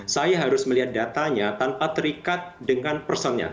saya harus melihat datanya tanpa terikat dengan personnya